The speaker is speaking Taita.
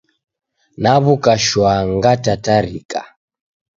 Naw'uka shwaa ngatatarika.